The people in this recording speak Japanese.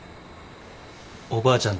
おばあちゃん